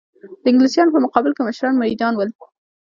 د انګلیسیانو په مقابل کې مشران مریدان ول.